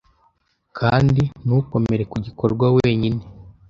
Kandi ntukomere ku gikorwa wenyine